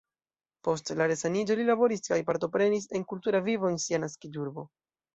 Post la resaniĝo li laboris kaj partoprenis en kultura vivo en sia naskiĝurbo.